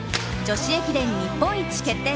女子駅伝日本一決定